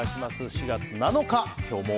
４月７日、今日も。